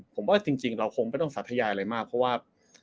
ผมว่าจริงเราคงไม่ต้องสาธยายอะไรมากเพราะว่า